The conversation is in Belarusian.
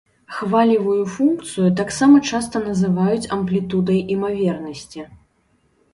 Хвалевую функцыю таксама часта называюць амплітудай імавернасці.